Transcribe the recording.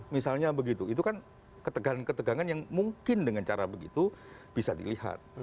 misalnya begitu itu kan ketegangan ketegangan yang mungkin dengan cara begitu bisa dilihat